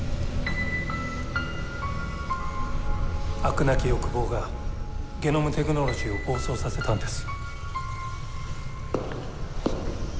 飽くなき欲望がゲノムテクノロジーを暴走させたんです。